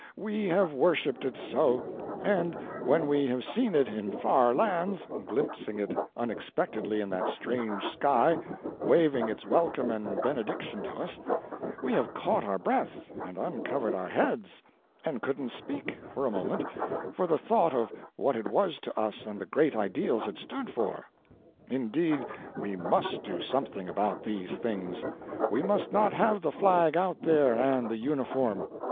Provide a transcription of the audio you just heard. We have worshipped it so; and when we have seen it in far lands — glimpsing it unexpectedly in that strange sky, waving its welcome and benediction to us — we have caught our breath, and uncovered our heads, and couldn't speak, for a moment, for the thought of what it was to us and the great ideals it stood for. Indeed, we must do something about these things ; we must not have the ijag out there, and the uniform.